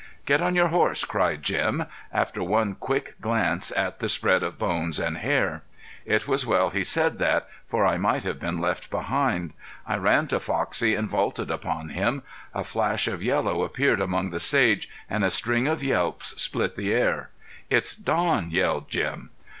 "Get on your horse!" cried Jim after one quick glance at the spread of bones and hair. It was well he said that, for I might have been left behind. I ran to Foxie and vaulted upon him. A flash of yellow appeared among the sage and a string of yelps split the air. "It's Don!" yelled Jim.